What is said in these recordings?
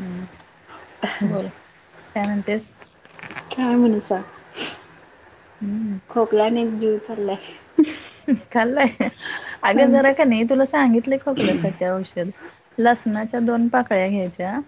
हम् बोल काय म्हणतेस काय म्हणू सांग हम्म खोकल्यान एक जीव चाललाय खालाय अगं जरा नंतर- क नाही तुला सांगितलंय खोकल्या साठी औषध लसणाच्या दोन पाकळ्या घ्यायच्या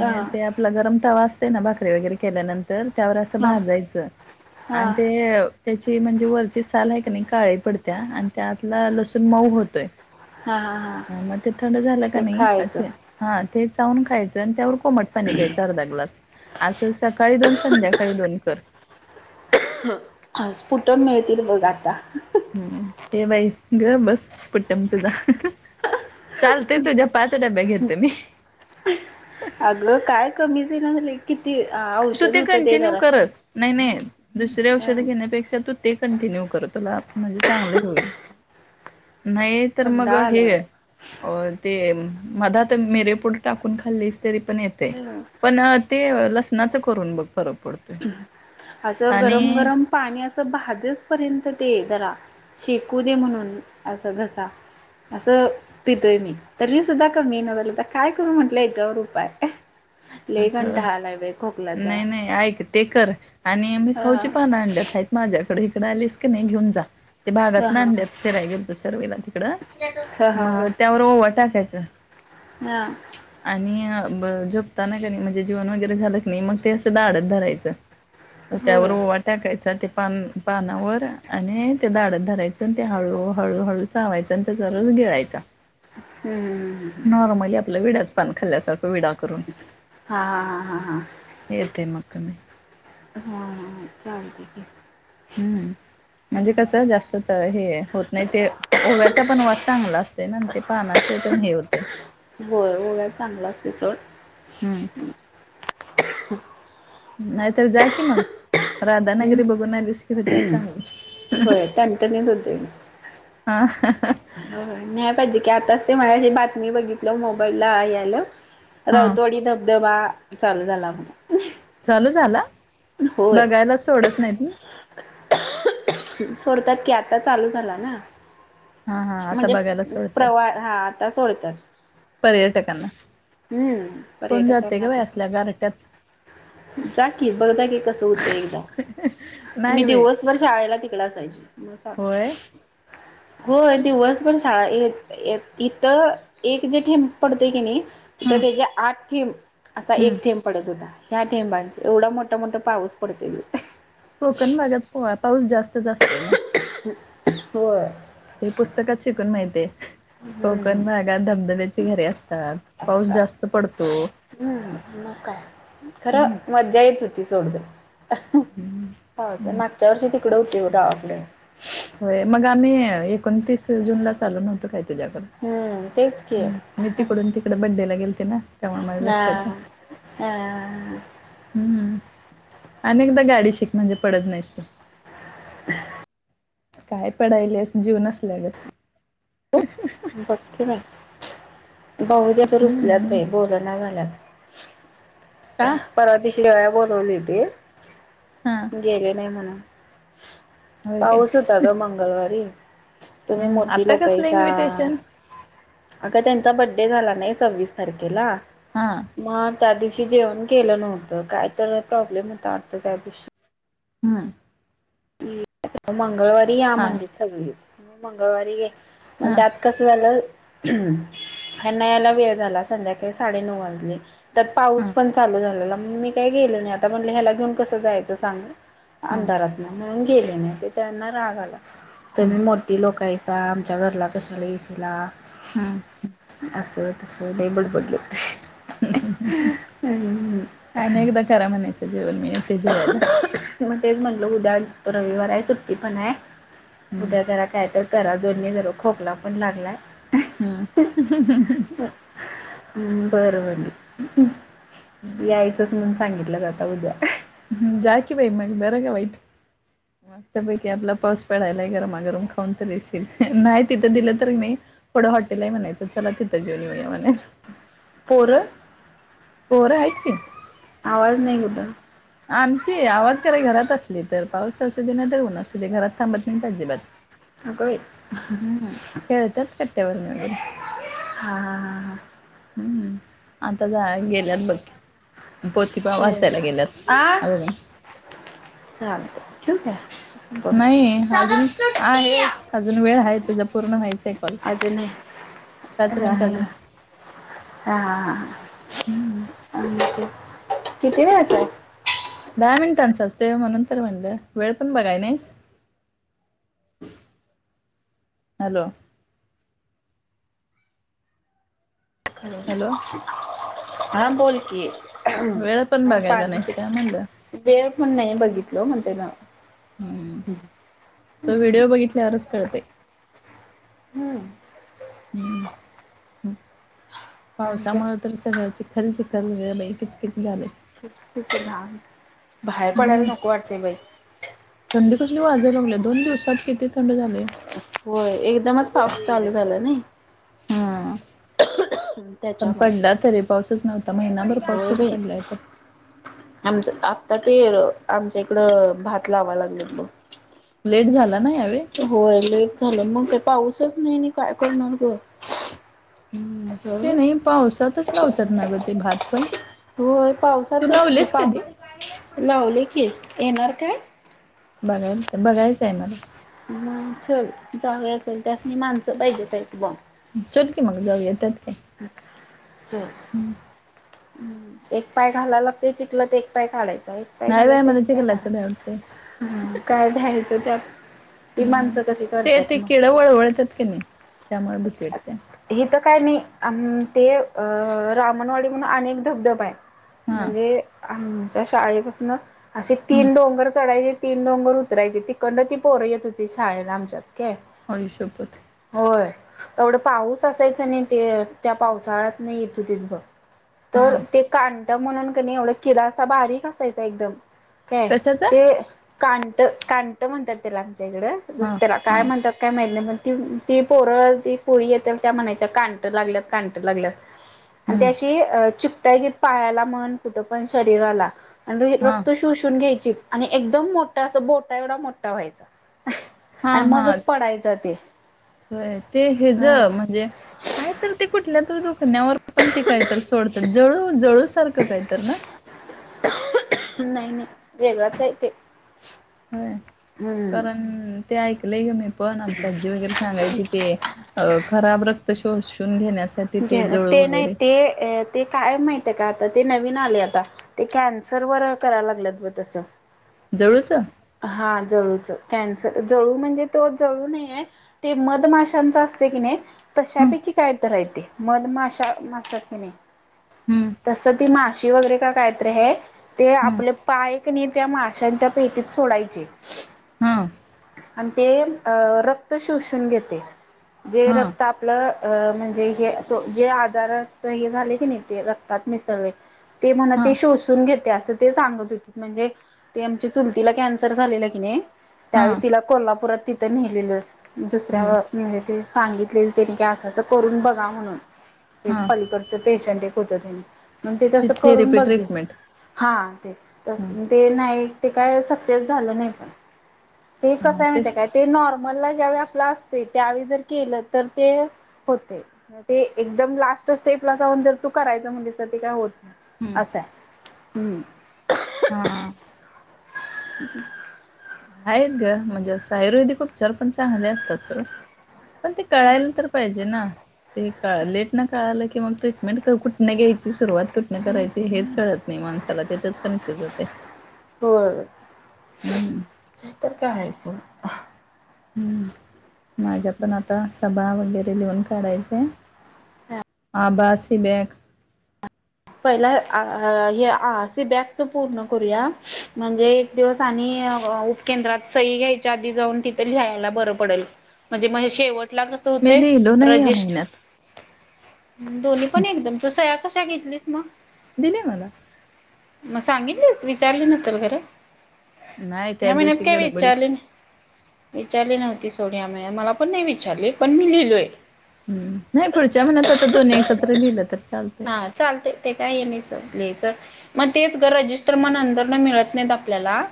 हा ते आपला गरम तवा असतो असते ना भाकरी वगैरे केल्यानंतर त्यावर अस हा भाजायचं हा हा आणि ते अ त्याची ते म्हणजे वरची साल आहे का नाही काळी पडत्या आणि त्यातला लसूण मऊ होतोय हा हा ह मग ते थंड झालं का ते नाही खायचं हा ते चावून खायचं आणि त्यावर कोमट पाणी प्यायचं अर्धा ग्लास असं सकाळी दोन संध्याकाळी दोन कर हा सपुट्टम मिळतील बघ आता हम्म ते बाई ग बसच स्पूट्टम तुझा. चालतय तुझ्या पाच डब्या घेतो मी. अगं काय कमीच येईना झालंय तू ते कंटिन्यू कर नाही नाही. दुसर औषधे घेण्यापेक्षा तू ते कंटिन्यू कर तुला म्हणजे चांगलं होईल. नाही तर मग कंटाळा आलाय हे बाई. अ ते मधात मिरेपूड टाकून खाल्लीस तरी पण येते हम्म. पण ते लस लसनाच करून बघ फरक पडतोय. असं गरम आणि गरम पाणी असं भाजस पर्यंत ते जरा शेकू दे म्हणून असं घसा. असं पितोय मी तरी सुद्धा कमी येईना झालं तर काय करू म्हंटलं याच्यावर उपाय. लय अ कंटाळा आलाय बाई खोकल्याचा. नाही नाही ऐक ते कर आणि मी हा हा. खाऊची पानं आणंल्यात हायीत माझ्याकडे इकडे आलीस की नाही घेऊन जा. ते हा भागातन हा आणल्यात फिराय गेल त सर्वेला तिकड हा हा मग हा. त्यावर ओवा टाकायच हा. आणि ज ताना क म्हणजे जीवन वगैरे झालंत नाही मग ते असं दाडत धरायचं होय त्यावर ओवा हम्म टाकायचा ते पान पानावर आणि ते दाढत धरायचं आणि ते हळू हळूहळू चावायचं आणि त्याचा र गिळायचा. हम्म हम्म नॉर्मली आपलं विडच पान खाल्ल्यासारख विडा करून हा हा हा हा हा. [unintelligible] हा ह चालतय की. हम्म. म्हणजे कसं जास्त हे होत नाही ते ओव्याचा पण वास चांगला असतो ना ते पा त्यांचा पण हे होतेय. होय ओवा चांगला असते चळ. हम्म. नायतर जाकी मग. हम्म राधानगरी बघून आलीस की होत्यात चांगली. होय टणटणीत होते. हा. होय न्याय पाहिजे की आताच ते मला हे बातमी बघितलं मोबाईल ला यायला. राऊ हा तोडी धबधबा चालू झाला म्हण. चालू झाला होय बघायला सोडत नाहीत ना. सोडतात की आता चालू झाला ना. हा हा आता म्हणजे बघायला सोडत्यात प्रवाह हा आता सोडतात. पर्यटकांना हम्म कोण जाते पर्यटकांना ग बाई तसं आसल्या गारट्यात. जा की बघ जा कि कसं होतं एकदा. मी नाही बाई. दिवसभर शाळेला तिकडं असायची म सा होय? होय दिवस पण शाळा ए ए इथं एक जे ठेंब पडते की नाही हं तर त्याच्या आठ थेँब असा हं. एक थेंब पडत होता. ह्या ठेमबांचे एवढा मोठा-मोठा पाऊस पडतोय. कोकण भागात पो पाऊस जास्तच असतोय ना? होय. ते पुस्तकात शिकून माहिते हम्म कोकण भागात धब द्वयाचा घरे असतात पाऊस जास्त असतात पडतो हम्म मग काय हम्म. खरं मजा येत होत ती सोड दे, मागच्या वर्षी तिकडे होते गावाकडे. होय मग अ आम्ही एकोणतीस जूनला चाललो नव्हतो काय? हम्म तेच की तुझ्याकडे मी तिकडून तिकडं बड्डेला गेलते ना त्यामुळे माझ्या लक्षात आहे. आ हम्म अनेकदा गाडी शिक म्हणजे पडत नाहीस तू. [unintelligible] काय पडायलस जीव नसल्यागत. तो कठीण आहे. भाऊजी रुसल्यात हम्म बाई बोल ना झाल्यात का परवा दिव [unintelligible] बोलवली ती हा गेले नाही म्हणून. होय काय पाऊस होता ग मंगळवारी. तुम्ही हम्म मोठी आता लोकं आहे कसलं सा. इन्व्हिटेशन अगं त्यांचा बड्डे झाला नाही सव्वीस तारखेला हा. मग त्या दिवशी जेवण केलं नव्हतं काय तर प्रॉब्लेम होता वाटतं त्या दिवशी. हम्म मंगळवारी या हा म्हणलेत सगळीच मंगळवारी गे म्हणून हा त्यात कसं झालं ह्यांना यायला वेळ झाला संध्याकाळी साडे नऊ वाजली तर हा पाऊस पण चालू झालेला मी काय गे गेलोय नाही आता म्हटलं ह्याला घेऊन कसं जायचं सांग हा अंधारात नाही म्हणून गेले नाही ते त्यांना रागा आला हम्म तुम्ही मोठी लोकं आहे त आमच्या घरला कशाला येशील आ हम्म. असं तसं लई बडबडलेत. हम्म अनेकदा खरं म्हणायचं जेवण मी येते जेवायला. मग तेच म्हटलं उद्या रविवार आहे सुट्टी पण आहे हम्म उद्या जरा काय तर घरा दोननी ज खोकला पण लागलाय ह ह ह ह हम् बरं ब यायचंच म्हणून सांगितलं जाता उद्या ह हम् जाकीी बाई मग बरा का बाईट मस्तपैकी आपला पाऊस पडायलाय गरमागरम खाऊन तरी शील नाही तिथं दिलं तरी नाही ढं हॉटेल आहे म्हणायचं चला तिथं जेवन येऊया म्हणायचं पर पोरं आहेत की आवाज नाही कुठ आमची आवाज खराय घरात असली तर पाऊस असू दे ना तरऊन असू दे घरात थांबत नाही अजिबात अगं बाई हम्म खळतात कट्यावर वगैर हा हा हा हा हम्म आता जा गेल्यात बघ पोतीपा हम्म. वाचायला गेलात आ ह बघ चालतंय ठेवू काय बर नाही अजून अजून वेळ आहे तुझा पूर्ण व्हायचं आहे कॉल अजून नाही हा पाच हा मिनट हा हा अजून हा हम्म किती व यतोय दहा मिनिटांचं असते म नंतर म्हणलं वेळ पण बघाय नाहीस ह हॅलो हॅलो हां बोल की. वेळ पण बघायला पाणी नाहीस का म्हणलं वेळ पण नाही बघितलं म्हणते ना हम्म. हम्म तो हम्म व्हिडिओ बघितल्यावरच कळते हम्म आणि काय पावसामुळे तर सगळ्या चि खल चिखल वे किचकीिच झाले त लान बाहेर पडायला नको वाटते बाई कस वाजव लाले दोन दिवसात किती थंड झाले होय एकदमच पाऊस चालू झाला नाही हा पण त्याच्यामुळे पडला तरी पाऊसच नव्हता महिनाभर पाऊस कुठे पडलाय तर आमच आत्ता ते आमच्या इकडं भात लावा लागले लेट झालं होय लेट झालं मग ते पाऊसच नाही नाही काय करणार ग हम् हं ते नाही पावसातच लावतात ना गं ते भात पण होय तू पावसातच कि लावलेस पा कधी लावले की येणार काय बघायला बघायचं आहे मला मग च जागयाचल त्यासनी माणसं पाहिजेत आहेत बॉम चत की मगा जाऊ येतात ते एक पाय घालायला लागते चिकल तर एक पाय काढायच एक काय नाही बाय घालायचं एक मला काय चिखलाचं भ्या वाटतंय फ काय ठ्यायचं त्यात ती हम् माणसं कशी ते करतात ते मग केिळवळवळतात क नाही त्यामुळे भीतीडते हिथ काय नाही ते अ रामणवाडी म्हणून अनेक धबधब आहे. हा म्हणजे आमच्या शाळेपासून असे हम्म. तीन डोंगर चढायचे. तीन डोंगर उतरायचे तिकंड ती पोरं येत होती शाळेला आमच्यातक. हयि शपत होय तेवढं पाऊस असायचं नाही ते त्या पावसाळ्यात नाही येतो तिथ बघ. हा तर ते काांत म्हणून क नाही एवढा किडसा बारीक असायचा एकदम. काय कशाचा ते काांत काांत म्हणतात त्याला. कडं हा रस्त्याला हा काय म्हणतात काय माहिती नाहीण त ती पोरं. ती पोळी येत त्या म्हणायच्या काांट लागल्यात काांट लागल्यात आणि हम्म. त्याशी च. त्याजत पायाला मन कुठं पण शरीराला आणि हा रक्त शोषून घ्याय. आणि एकदम मोठा अस बोटा एवढा मोठा व्हायचा. हा आणि हा मगच पडायचं ते. ते हे ज हा म्हणजे कायत ते कुठल्या तर दुखण्यावर पण ते काहीत. सोडतात जळू जळू सारखं काय तर ना. नाही नाही वेगडच य ते. होय हम्म कारण ते ऐकलेय गे मी. पण आमची आजी वगैरे सांगायची ते खराब रक्त शोषून घेण्या. घे ते नाही ते ते काय माहिती. का आता ते नवीन आले आता ते कॅन्सर व करायला लागलेत ब तसं. जळूच हं हा जळूच. कॅन्सर जळू म्हणजे तो जळू नाही आहे ते मधमाशांचा असते की नाही. तशापैकी काय तर राहते मन माशा मासात की नाही हं तस ती मास. माशी वगैरे का कायत हे ते हं आपले पायकने त्या माशांच्या पेटीत सोडायचे. ह. हं आणि ते अ रक्त शोषून घेते जे हं रक्त आपलं. अ म्हणजे हे जे आजार हे झाले की नाही ते रक्तात मिसळले. ते म्हणा हं ते शोषून घेते असं ते सांगत होते म्हणजे ते आमच्या चुलतीला कॅन्सर झालेला की नाही. त्यावेळी हं तिला कोल्हापुरात तिथं नेहिलेलं दुसऱ्या हं म्हणजे ते. सांगितलेल त्यांनी का असं असं करून बघा म्हणून ते हं पलीकडचं. पेशंट आहे कुठती. मग ते ती तसं करून थेरपी बघे ट्रीटमेंट हा ते त हं ते नाही. ते काय सक्सेस झालं नाही पण ते कसं हं आहे माळते तेच काय ते नॉर्मलला ज्यावेळी आपला अस. त्यावेळी जर केलं तर ते होते ते एकदम लास्टच तेपला जाऊन जर त. करायचं म्हणसत ते काय होत नाही असं हम्. हा. हम्. आहेत ग म्हणजे अस आयुर्वेदिक उपचार पण चांगले असतात सोड. पण ते कळायला तर पाहिजे ना ते क लेट ना कळालं क. मग ट्रीटमेंट कुठनं घ्यायची सुरुवात कुठन करायची हेच कळत नाही माणसाला तेथच कन्फ्युज होते. हो हं तर कास. हम्म माझ्या पण आता सभाव. डलवन काढायचे आभासी बॅग. पहिला आ सी बॅगच पूर्ण करूया म्हणजे एक दिवस आणि. पकेंद्रात सई घ्यायच्या आधी जाऊन तिथ लियला बर पडेल म्हणजे शेव. कस मी होते लिहिलो नाही या रजिस्. महिन्यात दोन्ही पण एकदम तू सया कशा घेतलीस मग. दिले मला. मग सांगितलेस विचारलं नसेल घरं. नाही त्या दिवशी मनकय गडबडीत विचलन. विचारली नव्हती सोन्या मेळ मला पण नाही विचारली पण मी लिहिलोय. हम्म,, नाही पुढच्या महिन्यात आता दोन्ही एकत्र लिहिलं तर चालतय. हा चालते काय स, मग तेच ग रजिस्टर म नंदर मिळत नाहीत आपल्यालाऽ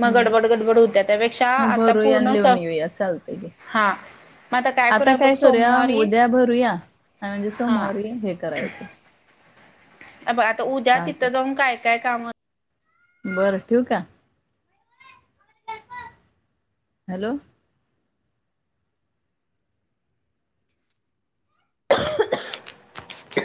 मग हम्म गडबड, गडबड होत्या त्यापेक्षा, मग आता भरूया आणि पूर्ण सऽ लिहून येऊया चालतंय की हा, मग आता काय करूया बघ सोमवारी,, आणि म्हणजे हा सोमवारी हे कराय येतय. अब आता उद्या तिथं जाऊन काय, काय काम, ऽ बरं ठीवका, हॅलो.